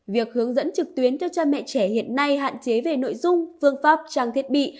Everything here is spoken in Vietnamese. việc hướng dẫn trực tuyến cho cha mẹ trẻ hiện nay hạn chế về nội dung phương pháp trang thiết bị